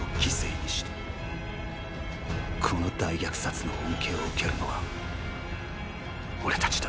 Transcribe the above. この大虐殺の恩恵を受けるのは俺たちだ。